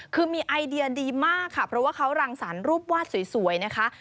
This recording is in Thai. คือมีไอเดียดีมากค่ะเพราะว่าเขารังสรรค์รูปวาดสวยนะคะ